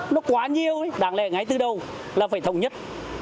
nó quá nhiều đáng lẽ ngay từ đầu là phải thống nhất